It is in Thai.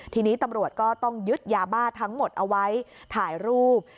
ทีนี้ตำรวจก็ต้องยึดยาบ้าทั้งหมดเอาไว้ถ่ายรูป